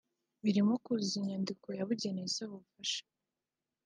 birimo kuzuza inyandiko yabugenewe isaba ubufasha